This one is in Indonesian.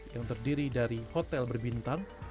yang terdiri dari hotel berbintang